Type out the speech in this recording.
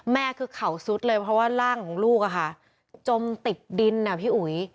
แม่คือเขาซุดเลยเพราะว่าร่างของลูกอะค่ะจมติดดินอ่ะพี่อุ๋ย